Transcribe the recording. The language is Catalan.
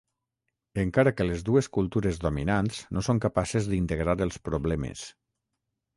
Encara que les dues cultures dominants no són capaces d'integrar els problemes.